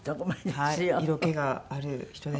色気がある人です